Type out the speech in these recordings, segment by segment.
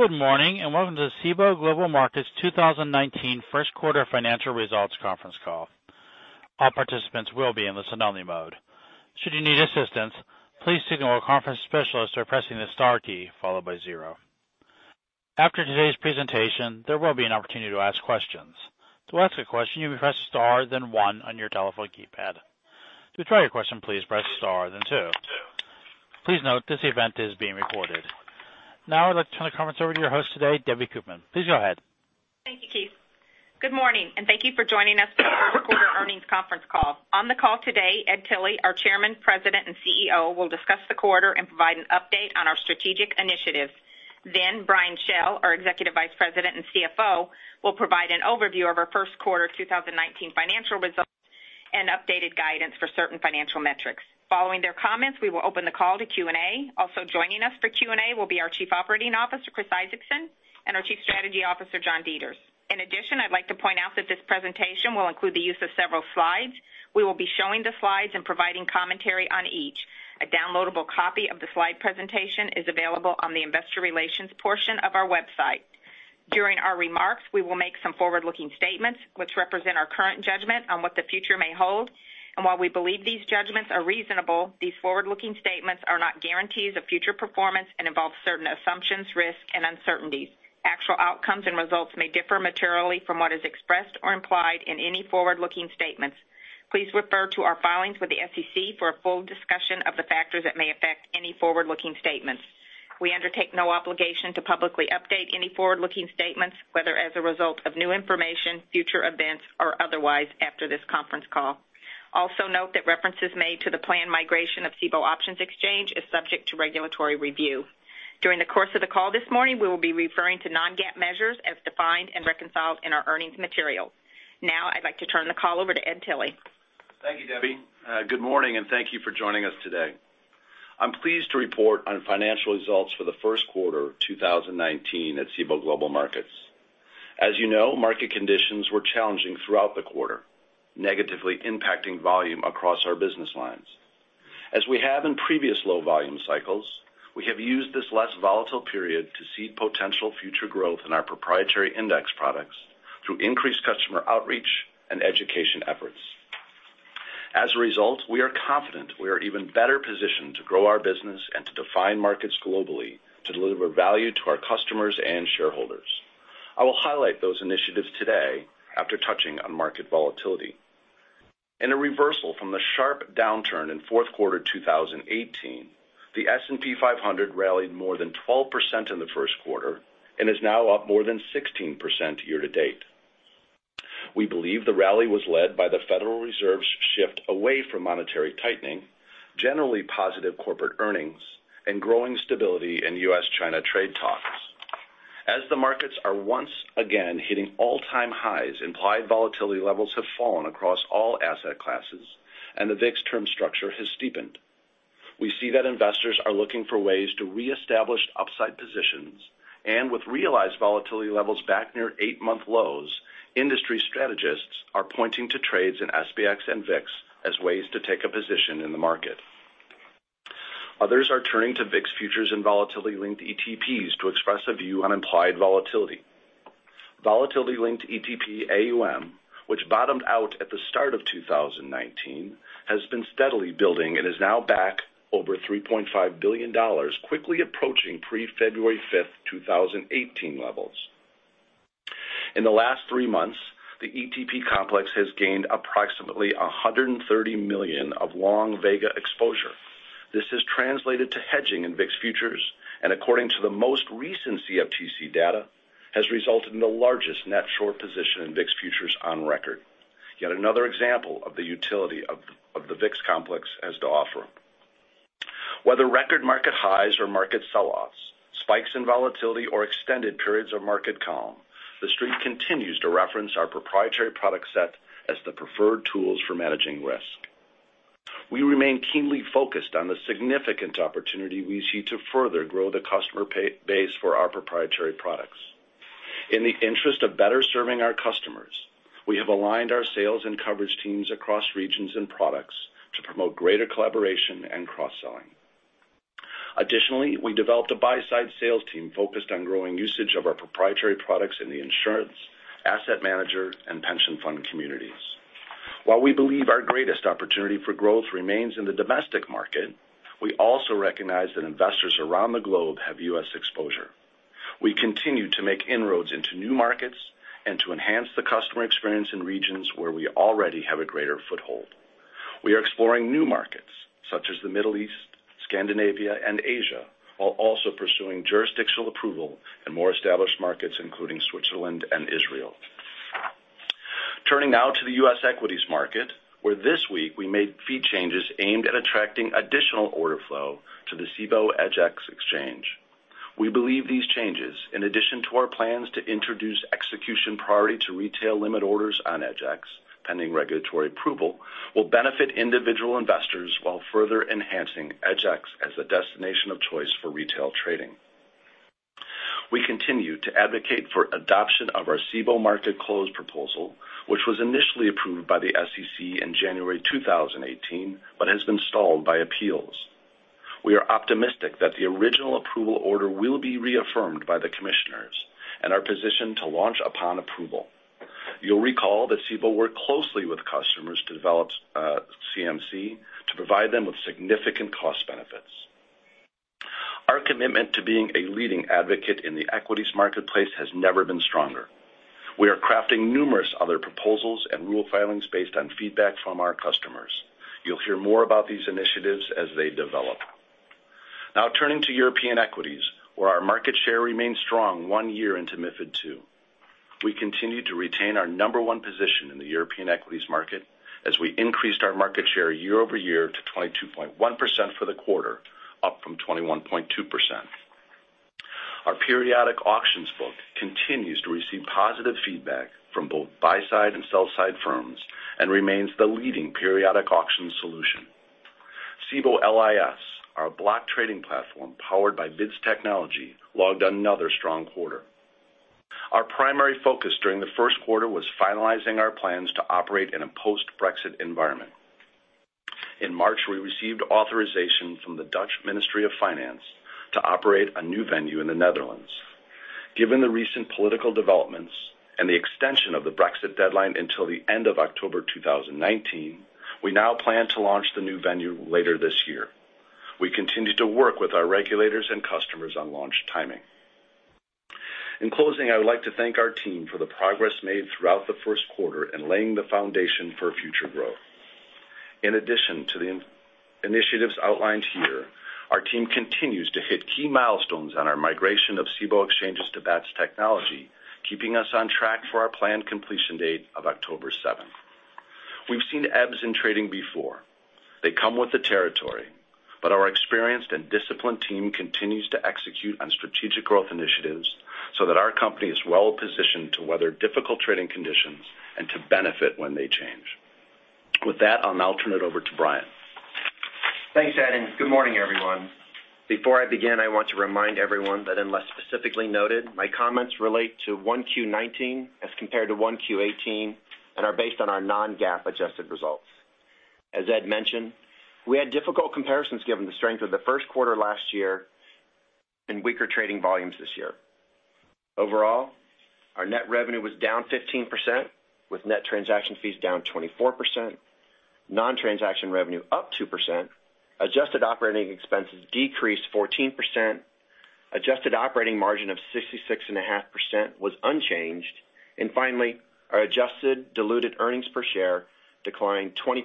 Good morning. Welcome to the Cboe Global Markets 2019 first quarter financial results conference call. All participants will be in listen-only mode. Should you need assistance, please signal a conference specialist by pressing the star key followed by zero. After today's presentation, there will be an opportunity to ask questions. To ask a question, you may press star then one on your telephone keypad. To withdraw your question, please press star then two. Please note this event is being recorded. I'd like to turn the conference over to your host today, Debbie Koopman. Please go ahead. Thank you, Keith. Good morning, and thank you for joining us for the first quarter earnings conference call. On the call today, Ed Tilly, our Chairman, President, and CEO, will discuss the quarter and provide an update on our strategic initiatives. Brian Schell, our Executive Vice President and CFO, will provide an overview of our first quarter 2019 financial results and updated guidance for certain financial metrics. Following their comments, we will open the call to Q&A. Joining us for Q&A will be our Chief Operating Officer, Chris Isaacson, and our Chief Strategy Officer, John Deters. I'd like to point out that this presentation will include the use of several slides. We will be showing the slides and providing commentary on each. A downloadable copy of the slide presentation is available on the investor relations portion of our website. During our remarks, we will make some forward-looking statements, which represent our current judgment on what the future may hold. While we believe these judgments are reasonable, these forward-looking statements are not guarantees of future performance and involve certain assumptions, risks, and uncertainties. Actual outcomes and results may differ materially from what is expressed or implied in any forward-looking statements. Please refer to our filings with the SEC for a full discussion of the factors that may affect any forward-looking statements. We undertake no obligation to publicly update any forward-looking statements, whether as a result of new information, future events, or otherwise after this conference call. Note that references made to the planned migration of Cboe Options Exchange is subject to regulatory review. During the course of the call this morning, we will be referring to non-GAAP measures as defined and reconciled in our earnings material. I'd like to turn the call over to Ed Tilly. Thank you, Debbie. Good morning, and thank you for joining us today. I'm pleased to report on financial results for the first quarter of 2019 at Cboe Global Markets. As you know, market conditions were challenging throughout the quarter, negatively impacting volume across our business lines. As we have in previous low volume cycles, we have used this less volatile period to seed potential future growth in our proprietary index products through increased customer outreach and education efforts. As a result, we are confident we are even better positioned to grow our business and to define markets globally to deliver value to our customers and shareholders. I will highlight those initiatives today after touching on market volatility. In a reversal from the sharp downturn in fourth quarter 2018, the S&P 500 rallied more than 12% in the first quarter and is now up more than 16% year-to-date. We believe the rally was led by the Federal Reserve's shift away from monetary tightening, generally positive corporate earnings, and growing stability in U.S.-China trade talks. As the markets are once again hitting all-time highs, implied volatility levels have fallen across all asset classes, and the VIX term structure has steepened. We see that investors are looking for ways to reestablish upside positions, and with realized volatility levels back near eight-month lows, industry strategists are pointing to trades in SPX and VIX as ways to take a position in the market. Others are turning to VIX futures and volatility-linked ETPs to express a view on implied volatility. Volatility-linked ETP AUM, which bottomed out at the start of 2019, has been steadily building and is now back over $3.5 billion, quickly approaching pre-February 5th, 2018, levels. In the last three months, the ETP complex has gained approximately 130 million of long Vega exposure. This has translated to hedging in VIX futures, and according to the most recent CFTC data, has resulted in the largest net short position in VIX futures on record. Yet another example of the utility of the VIX complex has to offer. Whether record market highs or market sell-offs, spikes in volatility or extended periods of market calm, the Street continues to reference our proprietary product set as the preferred tools for managing risk. We remain keenly focused on the significant opportunity we see to further grow the customer base for our proprietary products. In the interest of better serving our customers, we have aligned our sales and coverage teams across regions and products to promote greater collaboration and cross-selling. Additionally, we developed a buy-side sales team focused on growing usage of our proprietary products in the insurance, asset manager, and pension fund communities. While we believe our greatest opportunity for growth remains in the domestic market, we also recognize that investors around the globe have U.S. exposure. We continue to make inroads into new markets and to enhance the customer experience in regions where we already have a greater foothold. We are exploring new markets, such as the Middle East, Scandinavia, and Asia, while also pursuing jurisdictional approval in more established markets, including Switzerland and Israel. Turning now to the U.S. equities market, where this week we made fee changes aimed at attracting additional order flow to the Cboe EDGX Exchange. We believe these changes, in addition to our plans to introduce execution priority to retail limit orders on EDGX, pending regulatory approval, will benefit individual investors while further enhancing EDGX as a destination of choice for retail trading. We continue to advocate for adoption of our Cboe Market Close proposal, which was initially approved by the SEC in January 2018 but has been stalled by appeals. We are optimistic that the original approval order will be reaffirmed by the commissioners and are positioned to launch upon approval. You'll recall that Cboe worked closely with customers to develop CMC to provide them with significant cost benefits. Our commitment to being a leading advocate in the equities marketplace has never been stronger. We are crafting numerous other proposals and rule filings based on feedback from our customers. You'll hear more about these initiatives as they develop. Turning to European equities, where our market share remains strong one year into MiFID II. We continue to retain our number one position in the European equities market as we increased our market share year-over-year to 22.1% for the quarter, up from 21.2%. Our Periodic Auctions book continues to receive positive feedback from both buy-side and sell-side firms and remains the leading Periodic Auctions solution. Cboe LIS, our block trading platform powered by BIDS Technology, logged another strong quarter. Our primary focus during the first quarter was finalizing our plans to operate in a post-Brexit environment. In March, we received authorization from the Dutch Ministry of Finance to operate a new venue in the Netherlands. Given the recent political developments and the extension of the Brexit deadline until the end of October 2019, we now plan to launch the new venue later this year. We continue to work with our regulators and customers on launch timing. In closing, I would like to thank our team for the progress made throughout the first quarter in laying the foundation for future growth. In addition to the initiatives outlined here, our team continues to hit key milestones on our migration of Cboe exchanges to Bats technology, keeping us on track for our planned completion date of October 7th. We've seen ebbs in trading before. They come with the territory. Our experienced and disciplined team continues to execute on strategic growth initiatives so that our company is well positioned to weather difficult trading conditions and to benefit when they change. With that, I'll now turn it over to Brian. Thanks, Ed, good morning, everyone. Before I begin, I want to remind everyone that unless specifically noted, my comments relate to 1Q19 as compared to 1Q18 and are based on our non-GAAP adjusted results. As Ed mentioned, we had difficult comparisons given the strength of the first quarter last year and weaker trading volumes this year. Overall, our net revenue was down 15%, with net transaction fees down 24%, non-transaction revenue up 2%, adjusted operating expenses decreased 14%, adjusted operating margin of 66.5% was unchanged, and finally, our adjusted diluted earnings per share declined 20%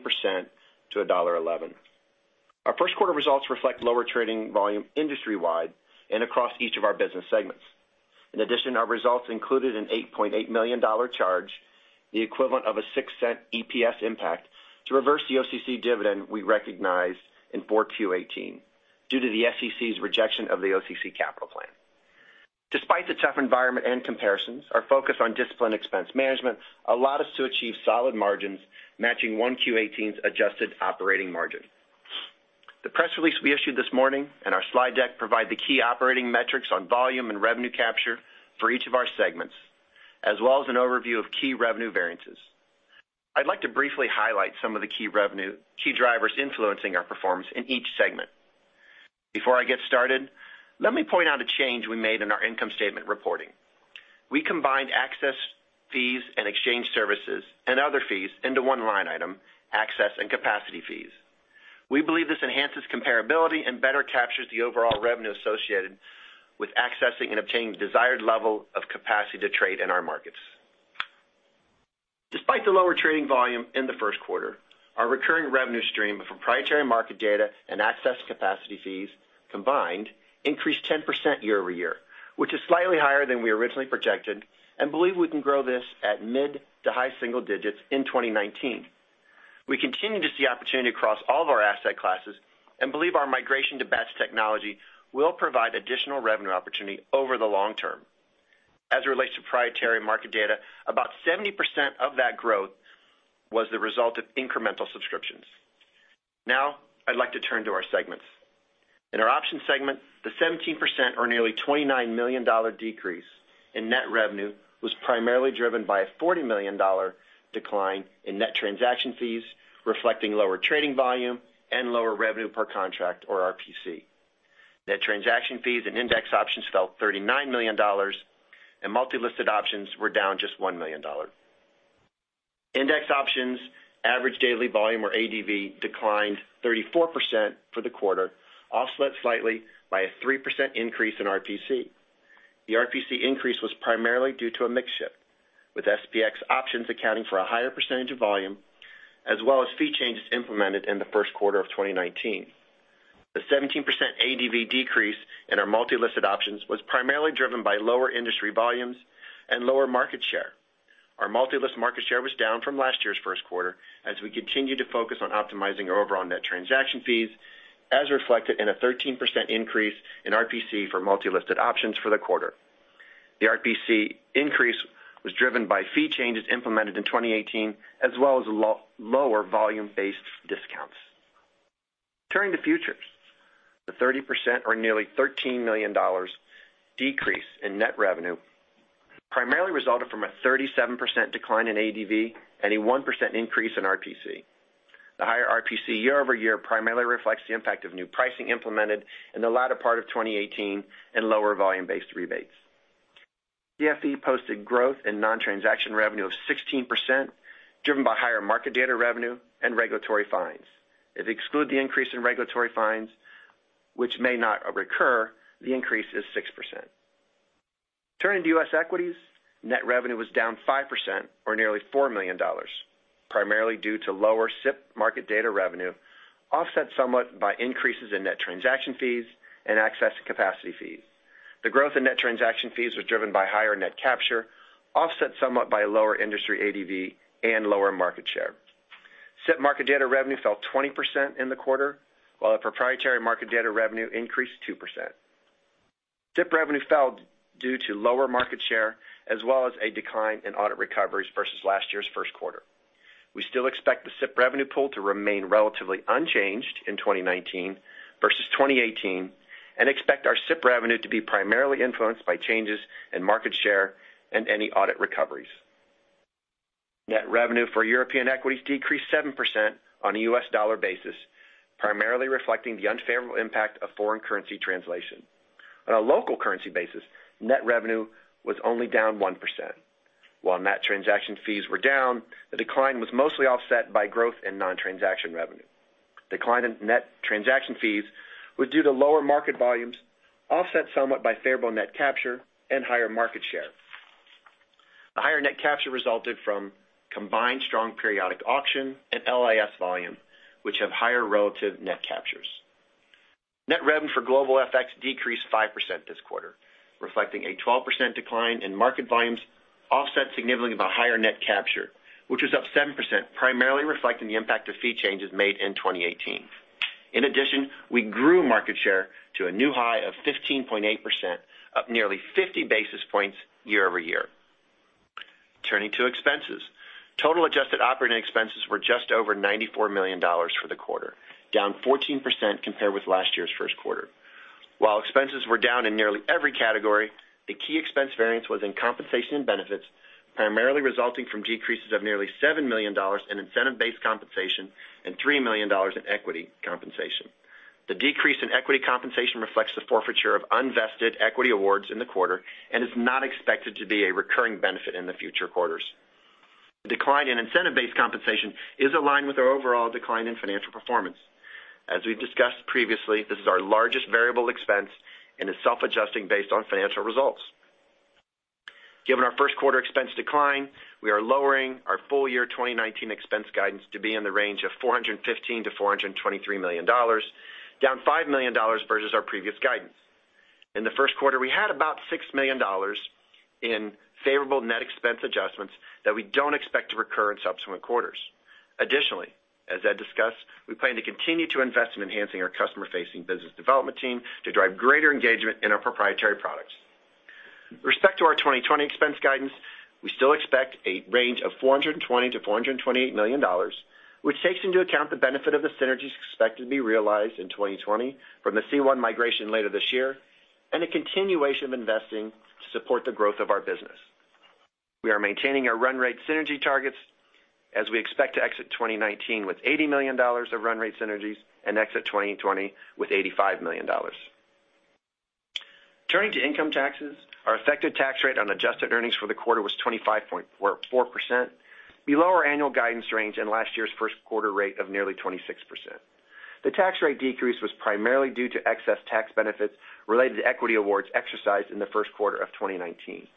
to $1.11. Our first quarter results reflect lower trading volume industry-wide and across each of our business segments. In addition, our results included an $8.8 million charge, the equivalent of a $0.06 EPS impact to reverse the OCC dividend we recognized in 4Q 2018 due to the SEC's rejection of the OCC capital plan. Despite the tough environment and comparisons, our focus on disciplined expense management allowed us to achieve solid margins, matching 1Q 2018's adjusted operating margin. The press release we issued this morning and our slide deck provide the key operating metrics on volume and revenue capture for each of our segments, as well as an overview of key revenue variances. I'd like to briefly highlight some of the key drivers influencing our performance in each segment. Before I get started, let me point out a change we made in our income statement reporting. We combined access fees and exchange services and other fees into one line item, access and capacity fees. We believe this enhances comparability and better captures the overall revenue associated with accessing and obtaining the desired level of capacity to trade in our markets. Despite the lower trading volume in the first quarter, our recurring revenue stream of proprietary market data and access capacity fees combined increased 10% year-over-year, which is slightly higher than we originally projected and believe we can grow this at mid-to-high single digits in 2019. We continue to see opportunity across all of our asset classes and believe our migration to Bats technology will provide additional revenue opportunity over the long term. As it relates to proprietary market data, about 70% of that growth was the result of incremental subscriptions. Now, I'd like to turn to our segments. In our option segment, the 17%, or nearly $29 million decrease in net revenue was primarily driven by a $40 million decline in net transaction fees, reflecting lower trading volume and lower revenue per contract, or RPC. Net transaction fees and index options fell $39 million, and multi-listed options were down just $1 million. Index options average daily volume, or ADV, declined 34% for the quarter, offset slightly by a 3% increase in RPC. The RPC increase was primarily due to a mix shift, with SPX options accounting for a higher percentage of volume, as well as fee changes implemented in the first quarter of 2019. The 17% ADV decrease in our multi-listed options was primarily driven by lower industry volumes and lower market share. Our multi-list market share was down from last year's first quarter as we continued to focus on optimizing our overall net transaction fees, as reflected in a 13% increase in RPC for multi-listed options for the quarter. The RPC increase was driven by fee changes implemented in 2018, as well as lower volume-based discounts. Turning to futures. The 30%, or nearly $13 million, decrease in net revenue primarily resulted from a 37% decline in ADV and a 1% increase in RPC. The higher RPC year-over-year primarily reflects the impact of new pricing implemented in the latter part of 2018 and lower volume-based rebates. CFE posted growth in non-transaction revenue of 16%, driven by higher market data revenue and regulatory fines. If you exclude the increase in regulatory fines, which may not recur, the increase is 6%. Turning to U.S. equities, net revenue was down 5% or nearly $4 million, primarily due to lower SIP market data revenue, offset somewhat by increases in net transaction fees and access to capacity fees. The growth in net transaction fees was driven by higher net capture, offset somewhat by lower industry ADV and lower market share. SIP market data revenue fell 20% in the quarter, while the proprietary market data revenue increased 2%. SIP revenue fell due to lower market share, as well as a decline in audit recoveries versus last year's first quarter. We still expect the SIP revenue pool to remain relatively unchanged in 2019 versus 2018, and expect our SIP revenue to be primarily influenced by changes in market share and any audit recoveries. Net revenue for European equities decreased 7% on a U.S. dollar basis, primarily reflecting the unfavorable impact of foreign currency translation. On a local currency basis, net revenue was only down 1%. While net transaction fees were down, the decline was mostly offset by growth in non-transaction revenue. Decline in net transaction fees was due to lower market volumes, offset somewhat by favorable net capture and higher market share. The higher net capture resulted from combined strong Periodic Auctions and LIS volume, which have higher relative net captures. Net revenue for global FX decreased 5% this quarter, reflecting a 12% decline in market volumes offset significantly by higher net capture, which was up 7%, primarily reflecting the impact of fee changes made in 2018. In addition, we grew market share to a new high of 15.8%, up nearly 50 basis points year-over-year. Turning to expenses. Total adjusted operating expenses were just over $94 million for the quarter, down 14% compared with last year's first quarter. While expenses were down in nearly every category, the key expense variance was in compensation and benefits, primarily resulting from decreases of nearly $7 million in incentive-based compensation and $3 million in equity compensation. The decrease in equity compensation reflects the forfeiture of unvested equity awards in the quarter and is not expected to be a recurring benefit in the future quarters. The decline in incentive-based compensation is aligned with our overall decline in financial performance. As we've discussed previously, this is our largest variable expense and is self-adjusting based on financial results. Given our first quarter expense decline, we are lowering our full year 2019 expense guidance to be in the range of $415 million-$423 million, down $5 million versus our previous guidance. In the first quarter, we had about $6 million in favorable net expense adjustments that we don't expect to recur in subsequent quarters. Additionally, as Ed discussed, we plan to continue to invest in enhancing our customer-facing business development team to drive greater engagement in our proprietary products. With respect to our 2020 expense guidance, we still expect a range of $420 million-$428 million, which takes into account the benefit of the synergies expected to be realized in 2020 from the C1 migration later this year, and a continuation of investing to support the growth of our business. We are maintaining our run rate synergy targets as we expect to exit 2019 with $80 million of run rate synergies and exit 2020 with $85 million. Turning to income taxes. Our effective tax rate on adjusted earnings for the quarter was 25.4%, below our annual guidance range and last year's first quarter rate of nearly 26%. The tax rate decrease was primarily due to excess tax benefits related to equity awards exercised in the first quarter of 2019.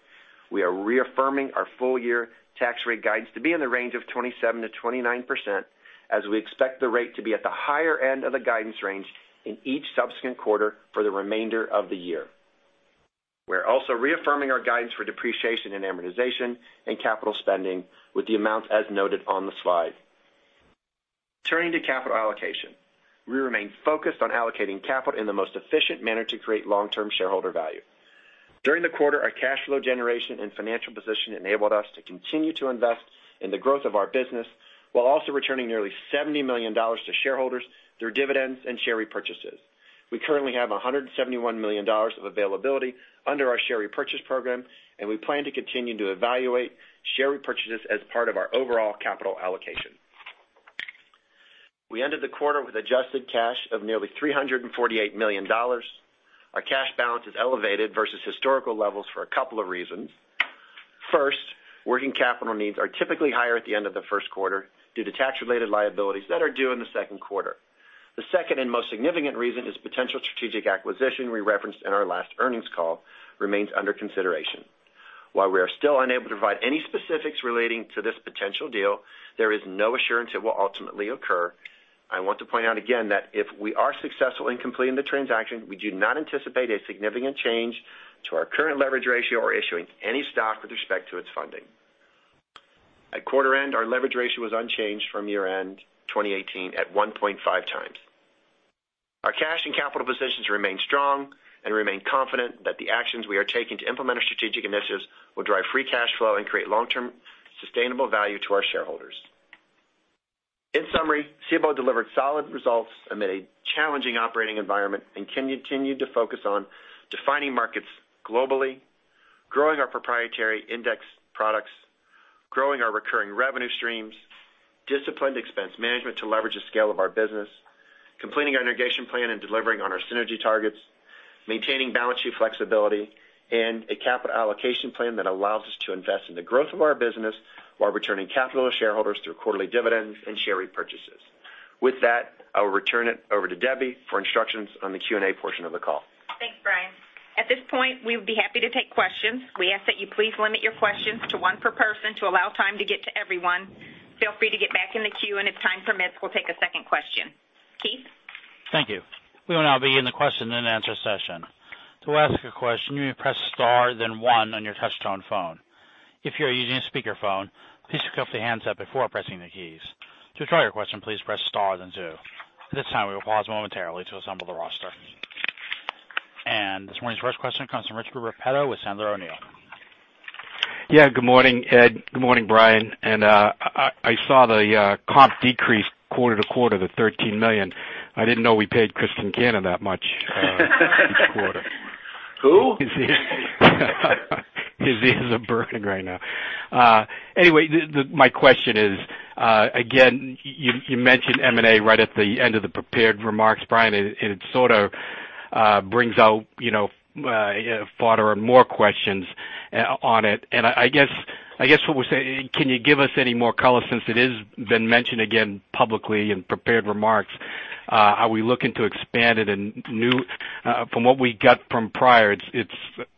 We are reaffirming our full-year tax rate guidance to be in the range of 27%-29% as we expect the rate to be at the higher end of the guidance range in each subsequent quarter for the remainder of the year. We are also reaffirming our guidance for depreciation and amortization and capital spending with the amounts as noted on the slide. Turning to capital allocation. We remain focused on allocating capital in the most efficient manner to create long-term shareholder value. During the quarter, our cash flow generation and financial position enabled us to continue to invest in the growth of our business while also returning nearly $70 million to shareholders through dividends and share repurchases. We currently have $171 million of availability under our share repurchase program. We plan to continue to evaluate share repurchases as part of our overall capital allocation. We ended the quarter with adjusted cash of nearly $348 million. Our cash balance is elevated versus historical levels for a couple of reasons. First, working capital needs are typically higher at the end of the first quarter due to tax-related liabilities that are due in the second quarter. The second and most significant reason is potential strategic acquisition we referenced in our last earnings call remains under consideration. While we are still unable to provide any specifics relating to this potential deal, there is no assurance it will ultimately occur. I want to point out again that if we are successful in completing the transaction, we do not anticipate a significant change to our current leverage ratio or issuing any stock with respect to its funding. At quarter end, our leverage ratio was unchanged from year-end 2018 at 1.5 times. Our cash and capital positions remain strong. We remain confident that the actions we are taking to implement our strategic initiatives will drive free cash flow and create long-term sustainable value to our shareholders. In summary, Cboe delivered solid results amid a challenging operating environment and continued to focus on defining markets globally, growing our proprietary index products, growing our recurring revenue streams, disciplined expense management to leverage the scale of our business, completing our integration plan and delivering on our synergy targets, maintaining balance sheet flexibility, and a capital allocation plan that allows us to invest in the growth of our business while returning capital to shareholders through quarterly dividends and share repurchases. With that, I will return it over to Debbie for instructions on the Q&A portion of the call. Thanks, Brian. At this point, we would be happy to take questions. We ask that you please limit your questions to one per person to allow time to get to everyone. Feel free to get back in the queue, and if time permits, we'll take a second question. Keith? Thank you. We will now begin the question and answer session. To ask a question, you may press star then one on your touchtone phone. If you are using a speakerphone, please pick up the handset before pressing the keys. To withdraw your question, please press star then two. At this time, we will pause momentarily to assemble the roster. This morning's first question comes from Rich Repetto with Sandler O'Neill. Yeah, good morning, Ed. Good morning, Brian. I saw the comp decrease quarter to quarter, the $13 million. I didn't know we paid Chris Isaacson that much each quarter. Who? His ears are burning right now. Anyway, my question is, again, you mentioned M&A right at the end of the prepared remarks, Brian, it sort of brings out farther and more questions on it. I guess what we're saying, can you give us any more color since it has been mentioned again publicly in prepared remarks? Are we looking to expand it From what we got from prior, it's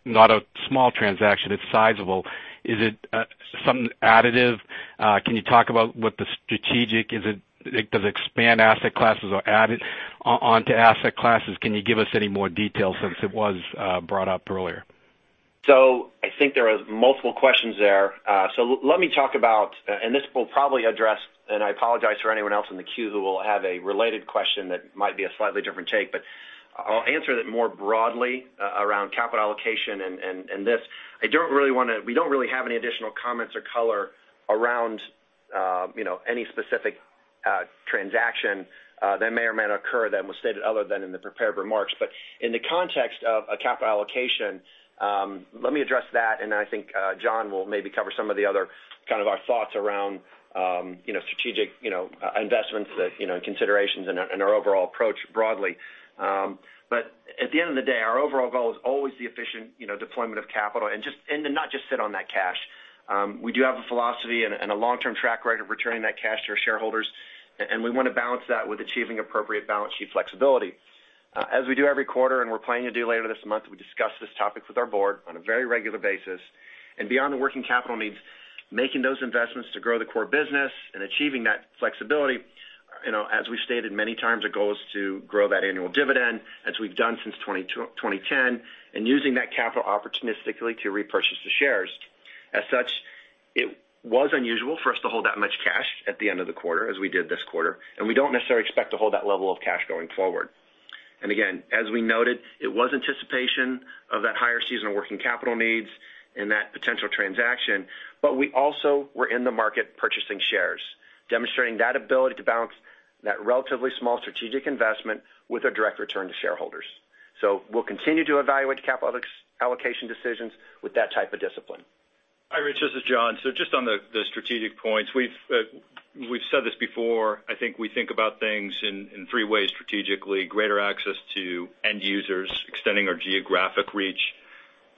not a small transaction. It's sizable. Is it something additive? Can you talk about what the strategic is? Does it expand asset classes or add it onto asset classes? Can you give us any more details since it was brought up earlier? I think there are multiple questions there. Let me talk about, and this will probably address, and I apologize for anyone else in the queue who will have a related question that might be a slightly different take, but I'll answer that more broadly around capital allocation and this. We don't really have any additional comments or color around any specific transaction that may or may not occur that was stated other than in the prepared remarks. In the context of a capital allocation, let me address that, and then I think John will maybe cover some of the other kind of our thoughts around strategic investments, considerations, and our overall approach broadly. At the end of the day, our overall goal is always the efficient deployment of capital and to not just sit on that cash. We do have a philosophy and a long-term track record of returning that cash to our shareholders, and we want to balance that with achieving appropriate balance sheet flexibility. As we do every quarter, and we're planning to do later this month, we discuss this topic with our board on a very regular basis. Beyond the working capital needs, making those investments to grow the core business and achieving that flexibility. As we've stated many times, our goal is to grow that annual dividend, as we've done since 2010, and using that capital opportunistically to repurchase the shares. As such, it was unusual for us to hold that much cash at the end of the quarter as we did this quarter, and we don't necessarily expect to hold that level of cash going forward. Again, as we noted, it was anticipation of that higher seasonal working capital needs and that potential transaction. We also were in the market purchasing shares, demonstrating that ability to balance that relatively small strategic investment with a direct return to shareholders. We'll continue to evaluate capital allocation decisions with that type of discipline. Hi, Rich, this is John. Just on the strategic points, we've said this before, I think we think about things in three ways strategically, greater access to end users, extending our geographic reach,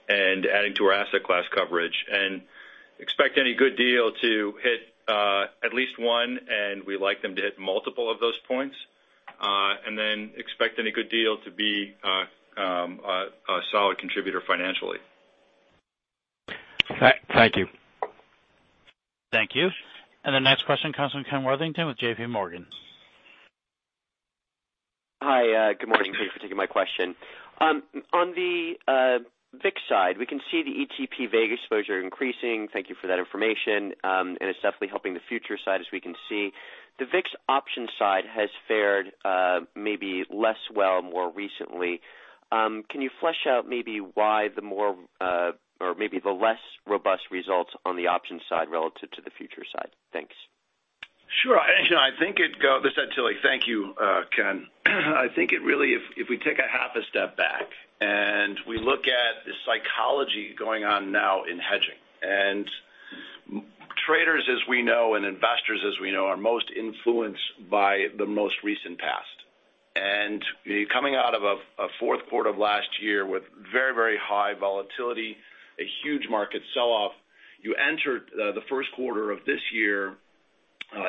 and adding to our asset class coverage. Expect any good deal to hit at least one, and we like them to hit multiple of those points. Expect any good deal to be a solid contributor financially. Thank you. Thank you. The next question comes from Ken Worthington with J.P. Morgan. Hi, good morning. Thanks for taking my question. On the VIX side, we can see the ETP Vega exposure increasing. Thank you for that information. It's definitely helping the future side, as we can see. The VIX option side has fared maybe less well more recently. Can you flesh out maybe why the more, or maybe the less robust results on the option side relative to the future side? Thanks. Sure. This is Ed Tilly. Thank you, Ken. I think it really, if we take a half a step back and we look at the psychology going on now in hedging. Traders, as we know, and investors, as we know, are most influenced by the most recent past. Coming out of a fourth quarter of last year with very, very high volatility, a huge market sell-off, you enter the first quarter of this year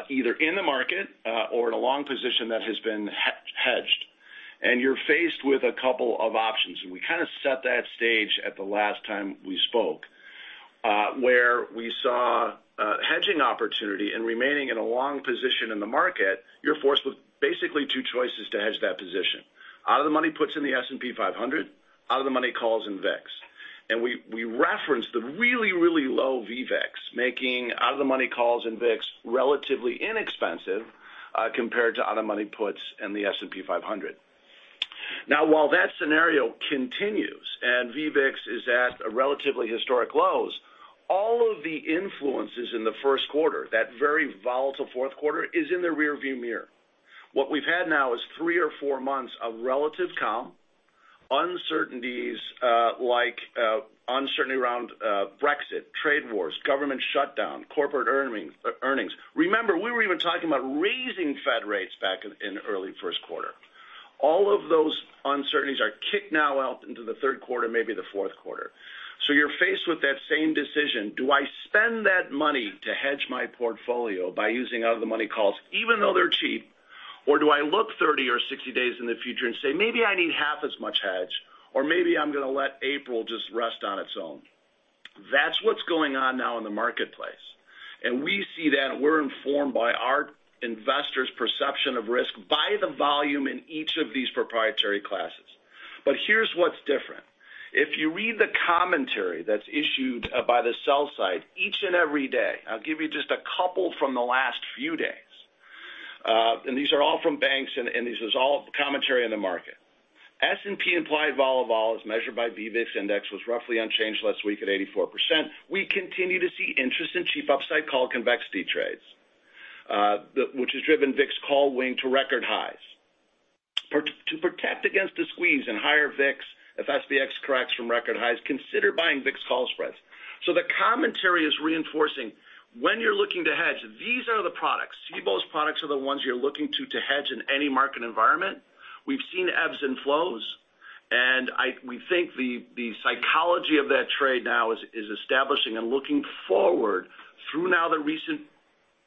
either in the market or in a long position that has been hedged, and you're faced with a couple of options. We kind of set that stage at the last time we spoke, where we saw a hedging opportunity and remaining in a long position in the market, you're forced with basically two choices to hedge that position. Out of the money puts in the S&P 500, out of the money calls in VIX. We referenced the really, really low VVIX, making out-of-the-money calls in VIX relatively inexpensive compared to out-of-the-money puts in the S&P 500. Now, while that scenario continues and VVIX is at a relatively historic lows, all of the influences in the first quarter, that very volatile fourth quarter, is in the rearview mirror. What we've had now is three or four months of relative calm, uncertainties like uncertainty around Brexit, trade wars, government shutdown, corporate earnings. Remember, we were even talking about raising Fed rates back in early first quarter. All of those uncertainties are kicked now out into the third quarter, maybe the fourth quarter. You're faced with that same decision. Do I spend that money to hedge my portfolio by using out-of-the-money calls, even though they're cheap? Or do I look 30 or 60 days in the future and say, "Maybe I need half as much hedge, or maybe I'm going to let April just rest on its own." That's what's going on now in the marketplace. We see that we're informed by our investors' perception of risk by the volume in each of these proprietary classes. Here's what's different. If you read the commentary that's issued by the sell side each and every day, I'll give you just a couple from the last few days. These are all from banks, and this is all commentary in the market. S&P implied vol of all as measured by VVIX index was roughly unchanged last week at 84%. We continue to see interest in cheap upside call convexity trades, which has driven VIX call wing to record highs. To protect against a squeeze and higher VIX, if SPX corrects from record highs, consider buying VIX call spreads. The commentary is reinforcing. When you're looking to hedge, these are the products. Cboe's products are the ones you're looking to hedge in any market environment. We've seen ebbs and flows, we think the psychology of that trade now is establishing and looking forward through now the recent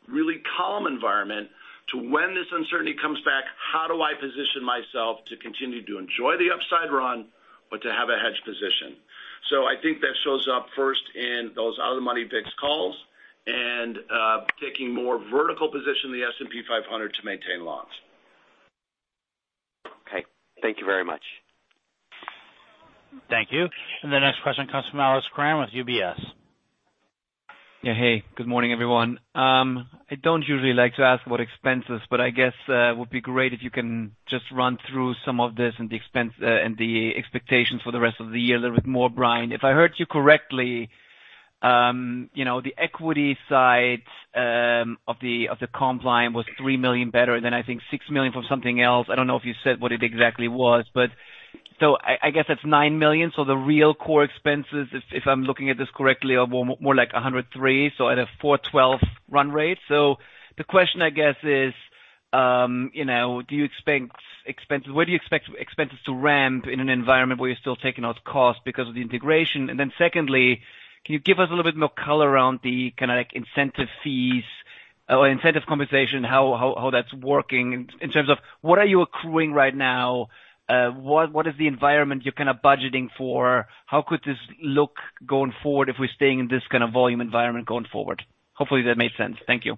really calm environment to when this uncertainty comes back, how do I position myself to continue to enjoy the upside run or to have a hedge position? I think that shows up first in those out-of-the-money VIX calls and taking more vertical position in the S&P 500 to maintain longs. Okay. Thank you very much. Thank you. The next question comes from Alex Kramm with UBS. Hey, good morning, everyone. I don't usually like to ask about expenses, but I guess it would be great if you can just run through some of this and the expectations for the rest of the year a little bit more, Brian. If I heard you correctly, the equity side of the comp line was $3 million better than I think $6 million from something else. I don't know if you said what it exactly was. I guess that's $9 million. The real core expenses, if I'm looking at this correctly, are more like 103, so at a 412 run rate. The question, I guess is, where do you expect expenses to ramp in an environment where you're still taking out costs because of the integration? Secondly, can you give us a little bit more color around the kind of incentive fees or incentive compensation, how that's working in terms of what are you accruing right now? What is the environment you're kind of budgeting for? How could this look going forward if we're staying in this kind of volume environment going forward? Hopefully, that made sense. Thank you.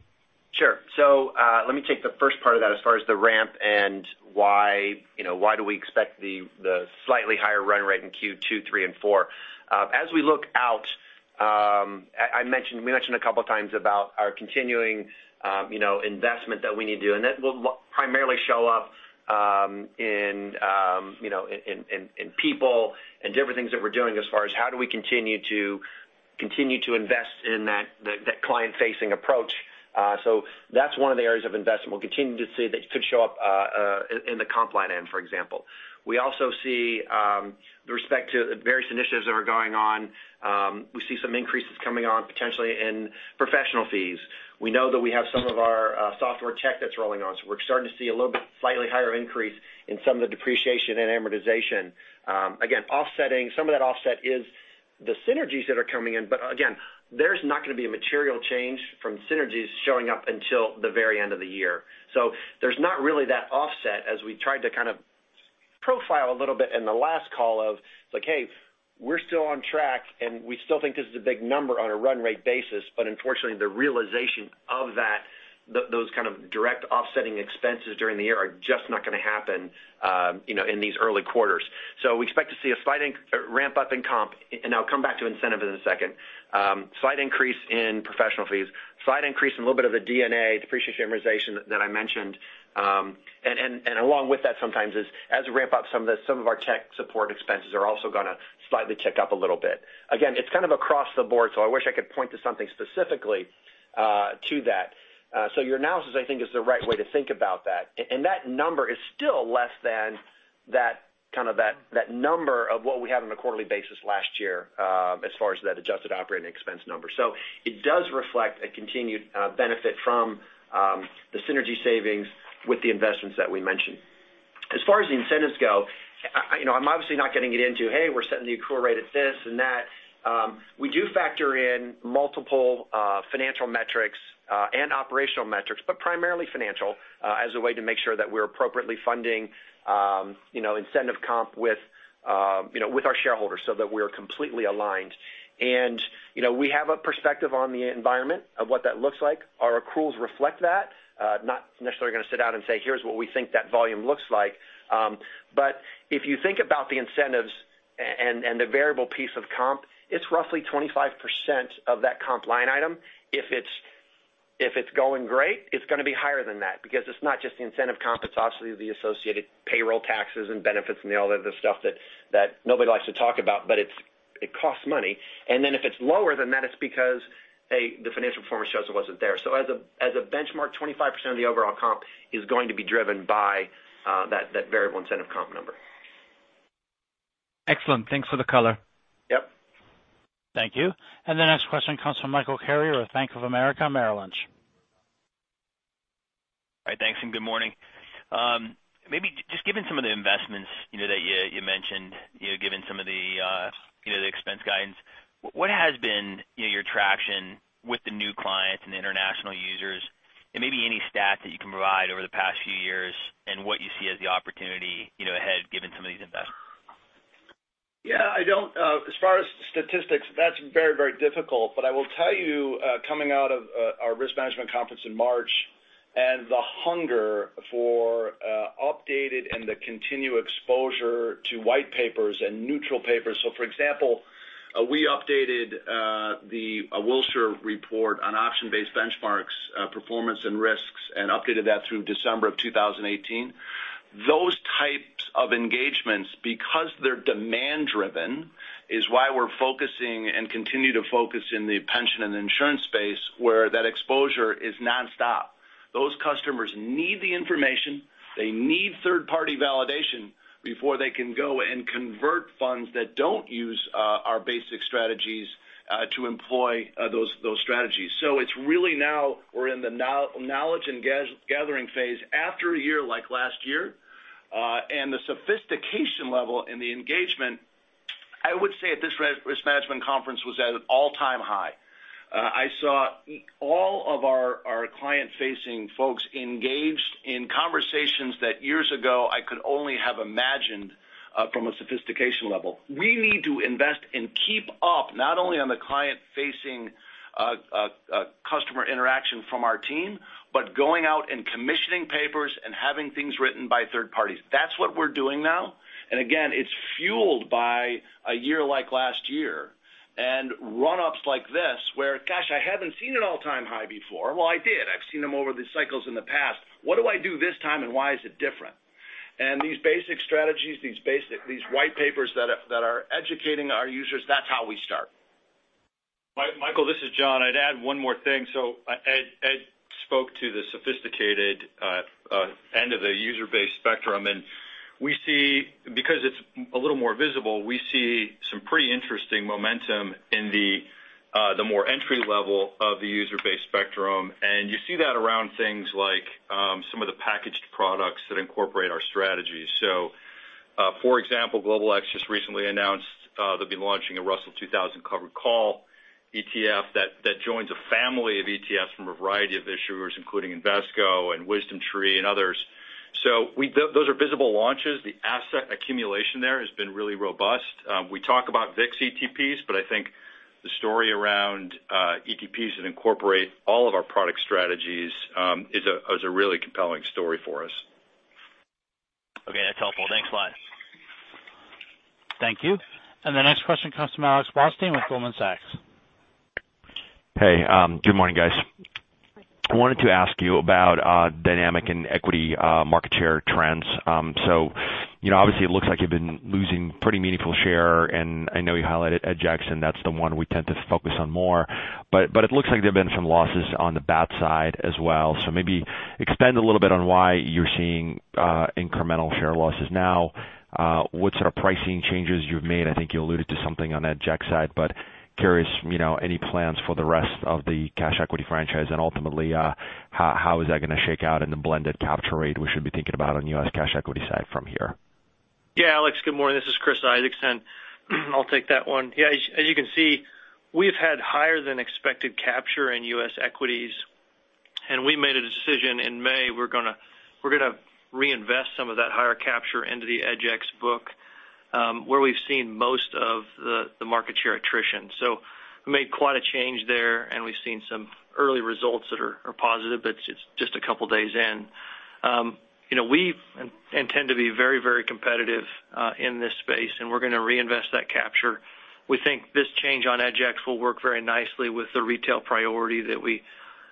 Sure. Let me take the first part of that as far as the ramp and why do we expect the slightly higher run rate in Q2, three, and four. As we look out, we mentioned a couple of times about our continuing investment that we need to do, and that will primarily show up in people and different things that we're doing as far as how do we continue to invest in that client-facing approach. That's one of the areas of investment we'll continue to see that could show up in the comp line item, for example. We also see with respect to various initiatives that are going on, we see some increases coming on potentially in professional fees. We know that we have some of our software tech that's rolling on. We're starting to see a little bit slightly higher increase in some of the Depreciation and Amortization. Again, some of that offset is the synergies that are coming in, but again, there's not going to be a material change from synergies showing up until the very end of the year. There's not really that offset as we tried to kind of profile a little bit in the last call of like, "Hey, we're still on track and we still think this is a big number on a run rate basis," but unfortunately, the realization of those kind of direct offsetting expenses during the year are just not going to happen in these early quarters. We expect to see a slight ramp-up in comp, and I'll come back to incentive in a second. Slight increase in professional fees, slight increase in a little bit of the D&A, Depreciation and Amortization that I mentioned. Along with that sometimes is as we ramp up some of our tech support expenses are also going to slightly tick up a little bit. Again, it's kind of across the board, so I wish I could point to something specifically to that. Your analysis, I think, is the right way to think about that. That number is still less than that number of what we had on a quarterly basis last year as far as that adjusted operating expense number. It does reflect a continued benefit from the synergy savings with the investments that we mentioned. As far as the incentives go, I'm obviously not getting it into, hey, we're setting the accrual rate at this and that. We do factor in multiple financial metrics and operational metrics, but primarily financial as a way to make sure that we're appropriately funding incentive comp with our shareholders so that we are completely aligned. We have a perspective on the environment of what that looks like. Our accruals reflect that. Not necessarily going to sit down and say, here's what we think that volume looks like. But if you think about the incentives and the variable piece of comp, it's roughly 25% of that comp line item. If it's going great, it's going to be higher than that because it's not just the incentive comp, it's obviously the associated payroll taxes and benefits and all the other stuff that nobody likes to talk about, but it costs money. If it's lower than that, it's because the financial performance shows it wasn't there. As a benchmark, 25% of the overall comp is going to be driven by that variable incentive comp number. Excellent. Thanks for the color. Yep. Thank you. The next question comes from Michael Carrier with Bank of America Merrill Lynch. Hi, thanks, and good morning. Maybe just given some of the investments that you mentioned, given some of the expense guidance, what has been your traction with the new clients and international users, and maybe any stat that you can provide over the past few years and what you see as the opportunity ahead, given some of these investments? Yeah, as far as statistics, that's very difficult. I will tell you, coming out of our risk management conference in March and the hunger for updated and the continued exposure to white papers and neutral papers. For example, we updated the Wilshire report on option-based benchmarks, performance, and risks, and updated that through December of 2018. Those types of engagements, because they're demand-driven, is why we're focusing and continue to focus in the pension and insurance space, where that exposure is nonstop. Those customers need the information. They need third-party validation before they can go and convert funds that don't use our basic strategies to employ those strategies. It's really now we're in the knowledge and gathering phase after a year like last year. The sophistication level and the engagement, I would say at this risk management conference, was at an all-time high. I saw all of our client-facing folks engaged in conversations that years ago I could only have imagined from a sophistication level. We need to invest and keep up, not only on the client-facing customer interaction from our team, but going out and commissioning papers and having things written by third parties. That's what we're doing now. Again, it's fueled by a year like last year. Run-ups like this where, gosh, I haven't seen an all-time high before. Well, I did. I've seen them over the cycles in the past. What do I do this time, and why is it different? These basic strategies, these white papers that are educating our users, that's how we start. Michael, this is John. I'd add one more thing. Ed spoke to the sophisticated end of the user base spectrum. Because it's a little more visible, we see some pretty interesting momentum in the more entry level of the user base spectrum. You see that around things like some of the packaged products that incorporate our strategies. For example, Global X just recently announced they'll be launching a Russell 2000 covered call ETF that joins a family of ETFs from a variety of issuers, including Invesco and WisdomTree and others. Those are visible launches. The asset accumulation there has been really robust. We talk about VIX ETPs, but I think the story around ETPs that incorporate all of our product strategies is a really compelling story for us. Okay, that's helpful. Thanks a lot. Thank you. The next question comes from Alexander Blostein with Goldman Sachs. Hey, good morning, guys. I wanted to ask you about dynamic and equity market share trends. Obviously, it looks like you've been losing pretty meaningful share, and I know you highlighted EDGX, and that's the one we tend to focus on more. But it looks like there have been some losses on the Bats side as well. Maybe expand a little bit on why you're seeing incremental share losses now. What sort of pricing changes you've made? I think you alluded to something on EDGX side, but curious any plans for the rest of the cash equity franchise and ultimately, how is that going to shake out in the blended capture rate we should be thinking about on U.S. cash equity side from here? Yeah. Alex, good morning. This is Chris Isaacson. I'll take that one. Yeah, as you can see, we've had higher than expected capture in U.S. equities, and we made a decision in May, we're going to reinvest some of that higher capture into the EDGX book, where we've seen most of the market share attrition. We made quite a change there, and we've seen some early results that are positive, but it's just a couple of days in. We intend to be very competitive in this space, and we're going to reinvest that capture. We think this change on EDGX will work very nicely with the retail priority that we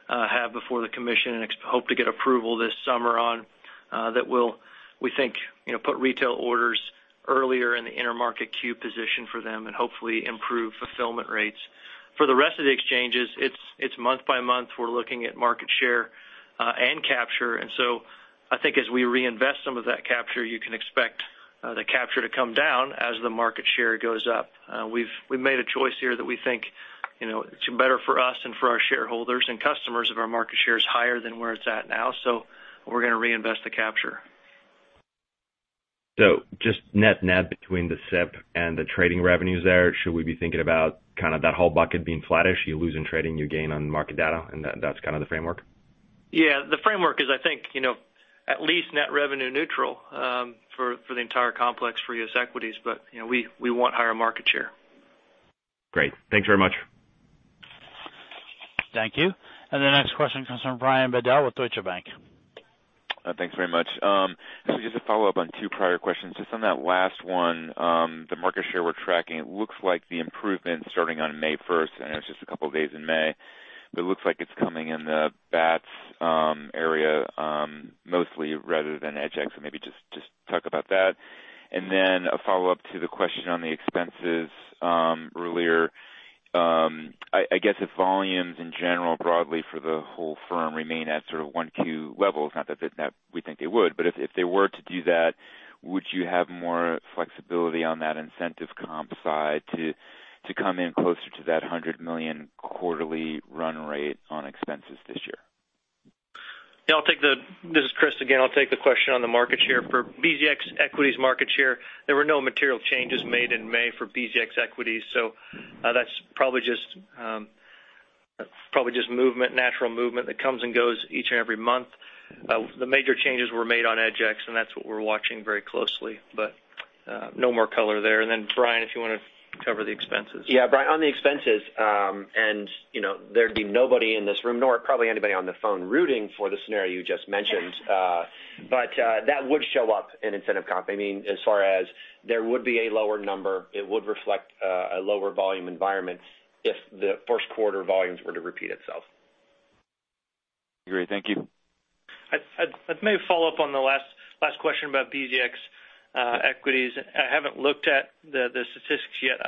have before the commission and hope to get approval this summer on that will, we think, put retail orders earlier in the intermarket queue position for them and hopefully improve fulfillment rates. For the rest of the exchanges, it's month by month. We're looking at market share and capture. I think as we reinvest some of that capture, you can expect the capture to come down as the market share goes up. We've made a choice here that we think it's better for us and for our shareholders and customers if our market share is higher than where it's at now. We're going to reinvest the capture. Just net between the SIP and the trading revenues there, should we be thinking about kind of that whole bucket being flattish? You lose in trading, you gain on market data, and that's kind of the framework? Yeah. The framework is, I think at least net revenue neutral for the entire complex for U.S. equities, but we want higher market share. Great. Thanks very much. Thank you. The next question comes from Brian Bedell with Deutsche Bank. Thanks very much. Just a follow-up on two prior questions. Just on that last one, the market share we're tracking, it looks like the improvement starting on May 1st, I know it's just a couple of days in May. It looks like it's coming in the Bats area mostly rather than EDGX, so maybe just talk about that. A follow-up to the question on the expenses earlier. I guess if volumes in general broadly for the whole firm remain at sort of 1Q levels, not that we think they would, but if they were to do that, would you have more flexibility on that incentive comp side to come in closer to that $100 million quarterly run rate on expenses this year? This is Chris again. I'll take the question on the market share. For BZX equities market share, there were no material changes made in May for BZX equities, so that's probably just natural movement that comes and goes each and every month. The major changes were made on EDGX. That's what we're watching very closely, no more color there. Brian, if you want to cover the expenses. Brian, on the expenses, there'd be nobody in this room, nor probably anybody on the phone rooting for the scenario you just mentioned. That would show up in incentive comp. I mean, as far as there would be a lower number, it would reflect a lower volume environment if the first quarter volumes were to repeat itself. Great. Thank you. I may follow up on the last question about BZX equities. I haven't looked at the statistics yet,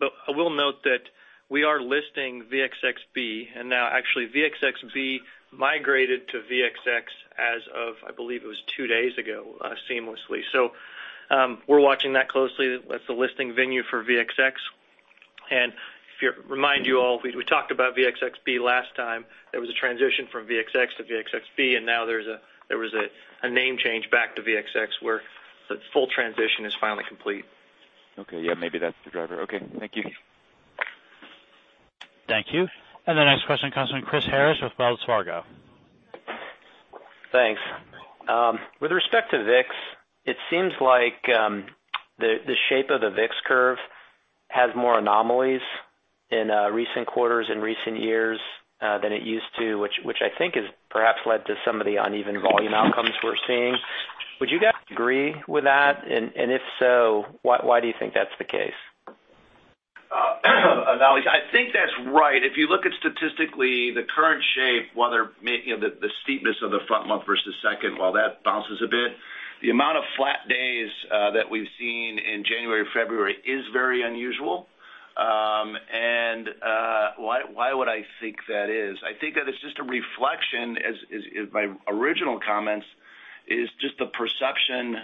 but I will note that we are listing VXXB and now actually VXXB migrated to VXX as of, I believe it was two days ago seamlessly. We're watching that closely. That's the listing venue for VXX. To remind you all, we talked about VXXB last time. There was a transition from VXX to VXXB, and now there was a name change back to VXX, where the full transition is finally complete. Okay. Yeah, maybe that's the driver. Okay. Thank you. Thank you. The next question comes from Chris Harris with Wells Fargo. Thanks. With respect to VIX, it seems like the shape of the VIX curve has more anomalies in recent quarters, in recent years than it used to. Which I think has perhaps led to some of the uneven volume outcomes we're seeing. Would you guys agree with that? If so, why do you think that's the case? Chris, I think that's right. If you look at statistically the current shape, the steepness of the front month versus second, while that bounces a bit, the amount of flat days that we've seen in January, February is very unusual. Why would I think that is? I think that it's just a reflection, as my original comments, is just the perception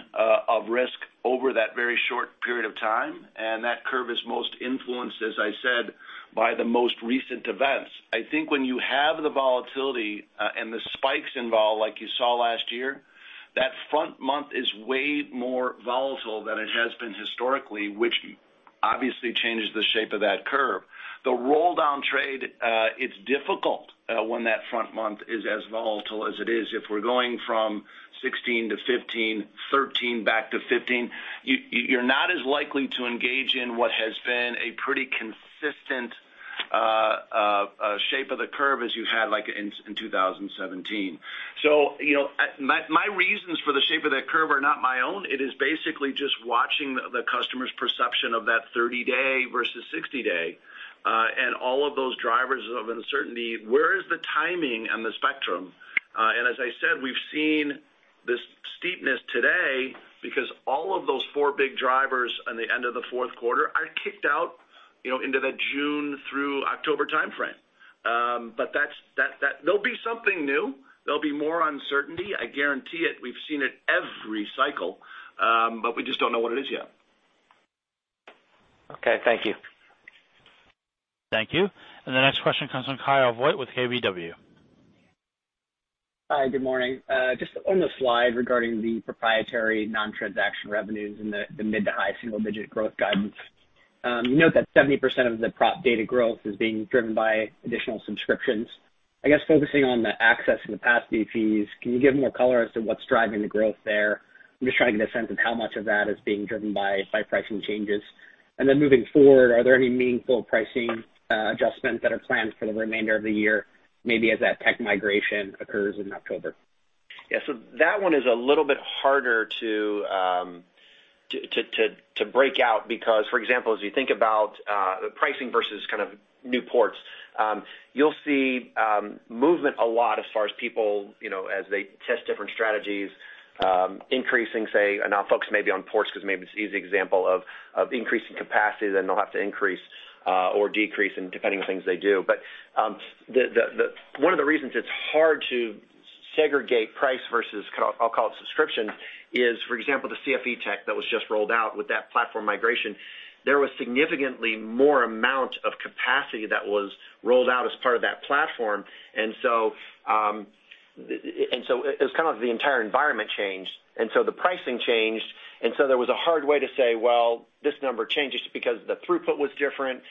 of risk over that very short period of time, and that curve is most influenced, as I said, by the most recent events. I think when you have the volatility and the spikes involved, like you saw last year, that front month is way more volatile than it has been historically, which obviously changes the shape of that curve. The roll down trade, it's difficult when that front month is as volatile as it is. If we're going from 16 to 15, 13 back to 15, you're not as likely to engage in what has been a pretty consistent shape of the curve as you had like in 2017. My reasons for the shape of that curve are not my own. It is basically just watching the customer's perception of that 30-day versus 60-day, and all of those drivers of uncertainty. Where is the timing and the spectrum? As I said, we've seen this steepness today because all of those four big drivers on the end of the fourth quarter are kicked out into the June through October timeframe. There'll be something new. There'll be more uncertainty, I guarantee it. We've seen it every cycle, but we just don't know what it is yet. Okay. Thank you. Thank you. The next question comes from Kyle Voigt with KBW. Hi, good morning. Just on the slide regarding the proprietary non-transaction revenues and the mid to high single-digit growth guidance. You note that 70% of the prop data growth is being driven by additional subscriptions. I guess focusing on the access and capacity fees, can you give more color as to what's driving the growth there? I'm just trying to get a sense of how much of that is being driven by pricing changes. Then moving forward, are there any meaningful pricing adjustments that are planned for the remainder of the year? Maybe as that tech migration occurs in October. Yeah. That one is a little bit harder to break out because, for example, as you think about the pricing versus kind of new ports, you'll see movement a lot as far as people as they test different strategies, increasing, say, and I'll focus maybe on ports because maybe it's an easy example of increasing capacity, then they'll have to increase or decrease depending on things they do. One of the reasons it's hard to segregate price versus I'll call it subscription is, for example, the CFE tech that was just rolled out with that platform migration. There was significantly more amount of capacity that was rolled out as part of that platform. It was kind of the entire environment changed. The pricing changed, there was a hard way to say, "Well, this number changed just because the throughput was different."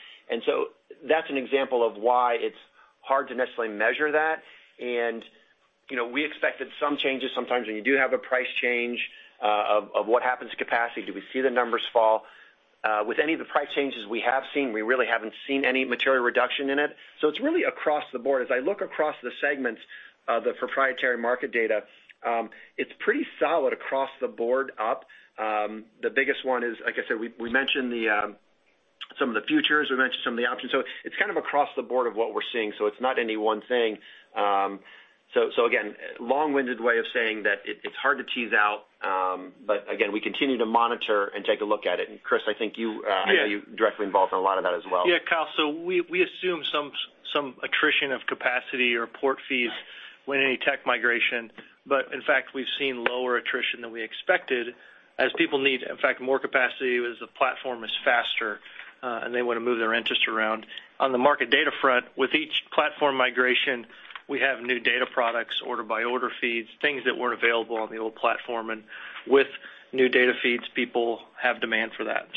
That's an example of why it's hard to necessarily measure that. We expected some changes sometimes when you do have a price change of what happens to capacity. Do we see the numbers fall? With any of the price changes we have seen, we really haven't seen any material reduction in it. It's really across the board. As I look across the segments of the proprietary market data, it's pretty solid across the board up. The biggest one is, like I said, we mentioned some of the futures, we mentioned some of the options. It's kind of across the board of what we're seeing, so it's not any one thing. Again, long-winded way of saying that it's hard to tease out. Again, we continue to monitor and take a look at it. Chris, I think you- Yeah. I know you're directly involved in a lot of that as well. Yeah, Kyle. We assume some attrition of capacity or port fees with any tech migration. In fact, we've seen lower attrition than we expected as people need, in fact, more capacity as the platform is faster, and they want to move their interest around. On the market data front, with each platform migration, we have new data products, order-by-order feeds, things that weren't available on the old platform. With new data feeds, people have demand for that.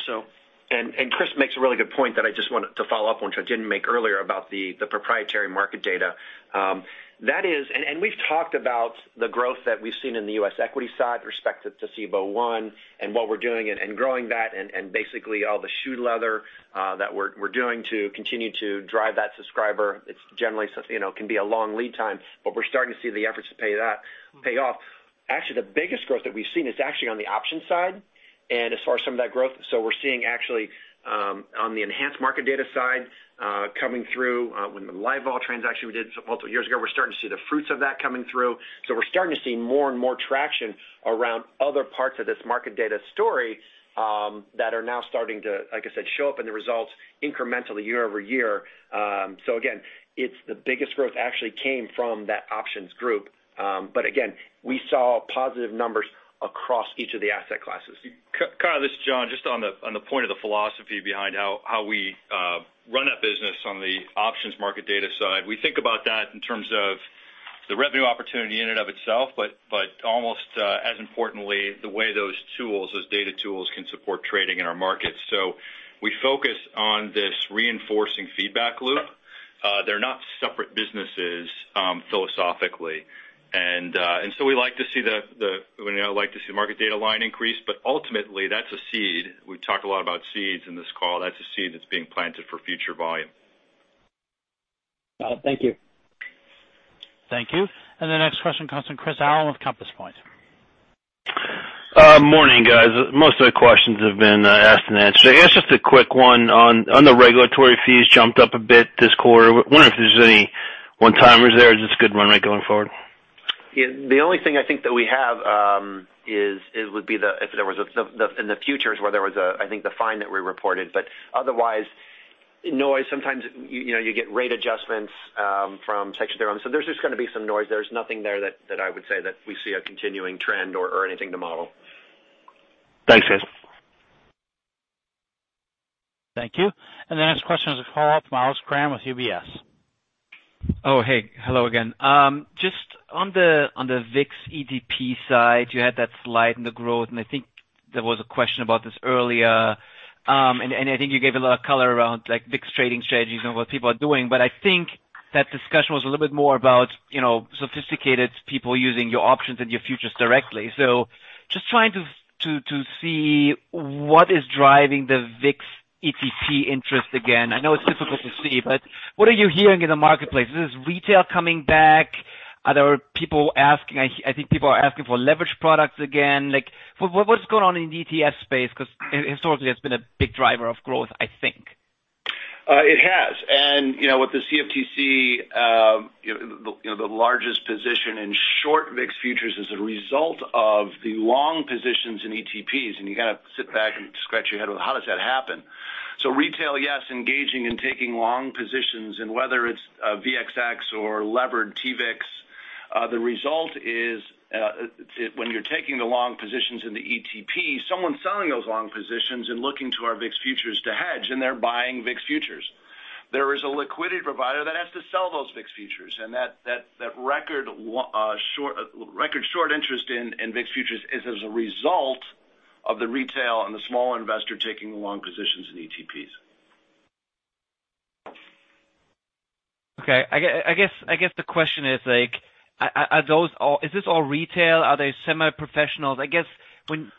Chris makes a really good point that I just wanted to follow up on, which I didn't make earlier about the proprietary market data. We've talked about the growth that we've seen in the U.S. equity side respective to Cboe One and what we're doing and growing that and basically all the shoe leather that we're doing to continue to drive that subscriber. It's generally can be a long lead time, but we're starting to see the efforts pay off. Actually, the biggest growth that we've seen is actually on the options side and as far as some of that growth. We're seeing actually, on the enhanced market data side, coming through when the Livevol transaction we did multiple years ago, we're starting to see the fruits of that coming through. We're starting to see more and more traction around other parts of this market data story, that are now starting to, like I said, show up in the results incrementally year-over-year. Again, the biggest growth actually came from that options group. Again, we saw positive numbers across each of the asset classes. Kyle, this is John, just on the point of the philosophy behind how we run that business on the options market data side. We think about that in terms of the revenue opportunity in and of itself, but almost as importantly, the way those tools, those data tools, can support trading in our markets. We focus on this reinforcing feedback loop. They're not separate businesses, philosophically. So we like to see the market data line increase, but ultimately that's a seed. We talk a lot about seeds in this call. That's a seed that's being planted for future volume. Thank you. Thank you. The next question comes from Chris Allen with Compass Point. Morning, guys. Most of the questions have been asked and answered. I guess just a quick one on the regulatory fees jumped up a bit this quarter. Wondering if there's any one-timers there, or is this a good run rate going forward? The only thing I think that we have is, it would be if there was, in the futures where there was, I think, the fine that we reported. Otherwise, noise, sometimes you get rate adjustments from Section 31. There's just going to be some noise. There's nothing there that I would say that we see a continuing trend or anything to model. Thanks, guys. Thank you. The next question is a follow-up from Alex Kramm with UBS. Hey. Hello again. Just on the VIX ETP side, you had that slide in the growth, I think there was a question about this earlier. I think you gave a lot of color around VIX trading strategies and what people are doing, I think that discussion was a little bit more about sophisticated people using your options and your futures directly. Just trying to see what is driving the VIX ETP interest again. I know it's difficult to see, but what are you hearing in the marketplace? Is this retail coming back? Are there people asking, I think people are asking for leverage products again. What's going on in the ETP space? Historically, that's been a big driver of growth, I think. It has. With the CFTC, the largest position in short VIX futures is a result of the long positions in ETPs, and you got to sit back and scratch your head with how does that happen? Retail, yes, engaging and taking long positions, and whether it's VXX or levered TVIX, the result is, when you're taking the long positions in the ETP, someone's selling those long positions and looking to our VIX futures to hedge, and they're buying VIX futures. There is a liquidity provider that has to sell those VIX futures, and that record short interest in VIX futures is as a result of the retail and the small investor taking the long positions in ETPs. Okay. I guess the question is this all retail? Are they semi-professional? I guess when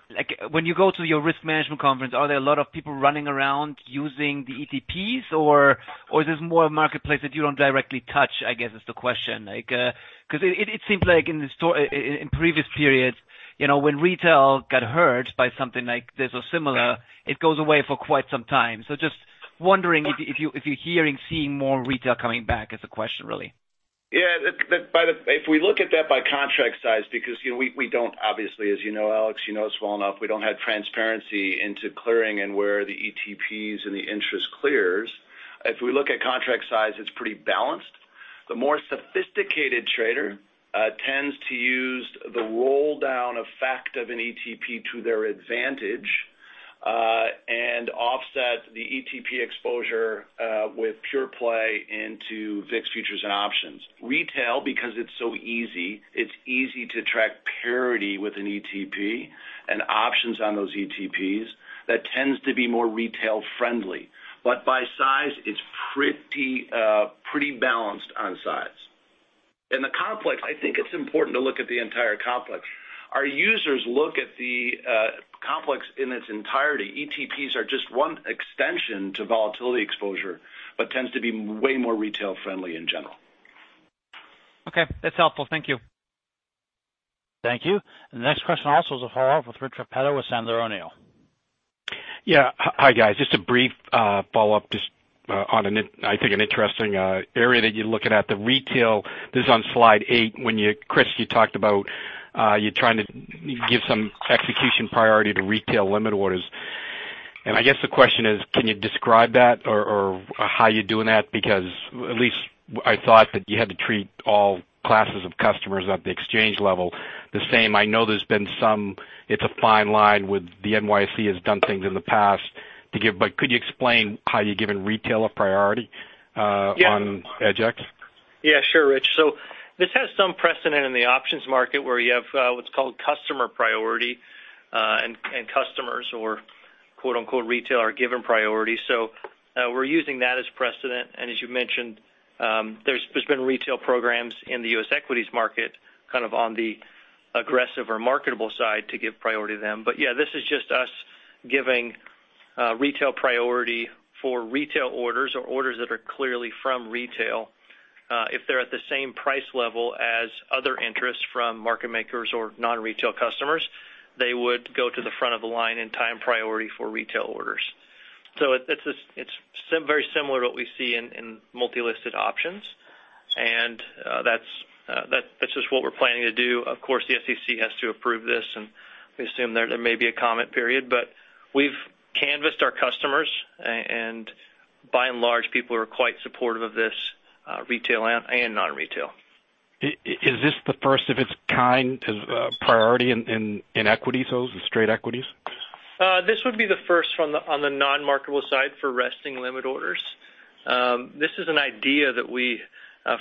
you go to your risk management conference, are there a lot of people running around using the ETPs, or is this more of a marketplace that you don't directly touch, I guess is the question. It seems like in previous periods, when retail got hurt by something like this or similar, it goes away for quite some time. Just wondering if you're hearing, seeing more retail coming back is the question, really. Yeah. If we look at that by contract size, because we don't obviously, as you know, Alex, you know this well enough. We don't have transparency into clearing and where the ETPs and the interest clears. If we look at contract size, it's pretty balanced. The more sophisticated trader tends to use the roll down effect of an ETP to their advantage, and offset the ETP exposure with pure play into VIX futures and options. Retail, because it's so easy, it's easy to track parity with an ETP and options on those ETPs. That tends to be more retail friendly. By size, it's pretty balanced on size. In the complex, I think it's important to look at the entire complex. Our users look at the complex in its entirety. ETPs are just one extension to volatility exposure, tends to be way more retail-friendly in general. Okay. That's helpful. Thank you. Thank you. The next question also is a follow-up with Rich Repetto with Sandler O'Neill. Hi guys. Just a brief follow-up just on an interesting area that you're looking at, the retail. This is on slide eight when you, Chris, you talked about, you're trying to give some execution priority to retail limit orders. I guess the question is, can you describe that or how you're doing that? Because at least I thought that you had to treat all classes of customers at the exchange level the same. I know there's been some It's a fine line with the NYSE has done things in the past to give, could you explain how you're giving retail a priority, on EDGX? Sure, Rich. This has some precedent in the options market where you have what's called customer priority, and customers or quote-unquote retail are given priority. We're using that as precedent. As you mentioned, there's been retail programs in the U.S. equities market, kind of on the aggressive or marketable side to give priority to them. This is just us giving retail priority for retail orders or orders that are clearly from retail. If they're at the same price level as other interests from market makers or non-retail customers, they would go to the front of the line in time priority for retail orders. It's very similar to what we see in multi-listed options. That's just what we're planning to do. Of course, the SEC has to approve this, and we assume there may be a comment period. We've canvassed our customers, and by and large, people are quite supportive of this, retail and non-retail. Is this the first of its kind as a priority in equities, those in straight equities? This would be the first on the non-marketable side for resting limit orders. This is an idea that we,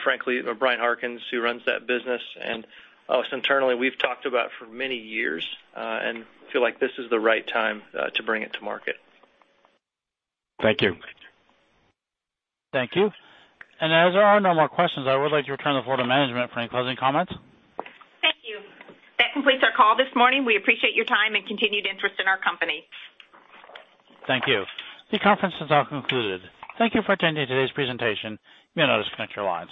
frankly, Bryan Harkins, who runs that business and us internally, we've talked about for many years, and feel like this is the right time to bring it to market. Thank you. Thank you. As there are no more questions, I would like to return the floor to management for any closing comments. Thank you. That completes our call this morning. We appreciate your time and continued interest in our company. Thank you. The conference is now concluded. Thank you for attending today's presentation. You may disconnect your lines.